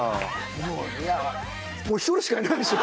もういやもう１人しかいないでしょ